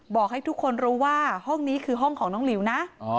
บอกให้ทุกคนรู้ว่าห้องนี้คือห้องของน้องหลิวนะ